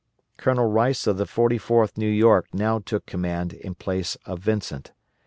Colonel Rice of the 44th New York now took command in place of Vincent.